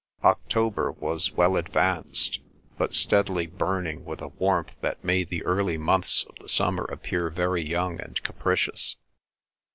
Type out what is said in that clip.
October was well advanced, but steadily burning with a warmth that made the early months of the summer appear very young and capricious.